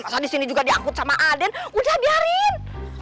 masa disini juga diangkut sama aden udah biarin